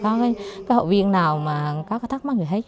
không có cái hội viên nào mà có cái thắc mắc người hết